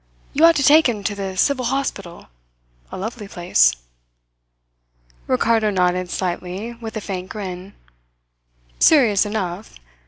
You ought to take him to the civil hospital a lovely place." Ricardo nodded slightly, with a faint grin. "Serious enough.